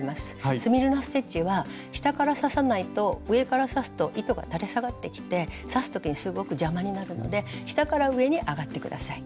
スミルナ・ステッチは下から刺さないと上から刺すと糸が垂れ下がってきて刺す時にすごく邪魔になるので下から上に上がって下さい。